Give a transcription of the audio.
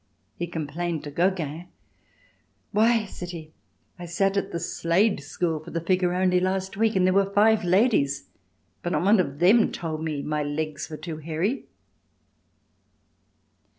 He complained to Gogin: "Why," said he, "I sat at the Slade School for the figure only last week, and there were five ladies, but not one of them told me my legs were too hairy."